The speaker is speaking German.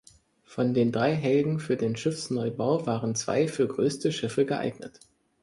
Von den drei Helgen für den Schiffsneubau waren zwei für größte Schiffe geeignet.